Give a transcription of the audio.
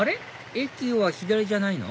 駅は左じゃないの？